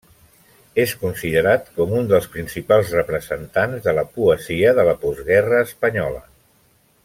És considerat com un dels principals representants de la poesia de la postguerra espanyola.